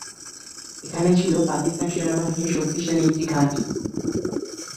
এখানে ছিল পাকিস্তান সেনাবাহিনীর শক্তিশালী একটি ঘাঁটি।